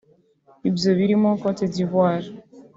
Ibyo birimo Côte d’Ivoire